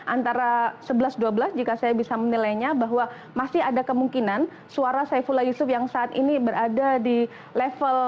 antara sebelas dua belas jika saya bisa menilainya bahwa masih ada kemungkinan suara saifullah yusuf yang saat ini berada di level